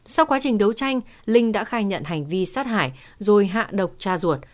sau quá trình đấu tranh linh đã khai nhận hành vi sát hại rồi hạ độc tra ruột